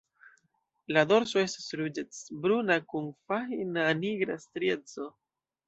La dorso estas ruĝecbruna kun fajna nigra strieco.